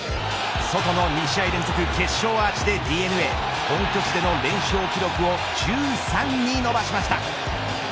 ソトの２試合連続決勝アーチでＤｅＮＡ本拠地での連勝記録を１３に伸ばしました。